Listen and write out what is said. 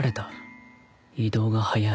移動が速い